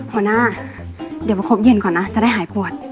พอหน้าเดี๋ยวประคบเย็นก่อนนะจะได้หายปวด